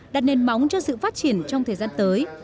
đặt nền móng cho sự phát triển trong thời gian tới